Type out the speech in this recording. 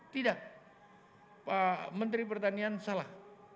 tidak pak menteri pertanian salah